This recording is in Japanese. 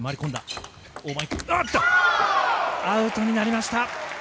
アウトになりました。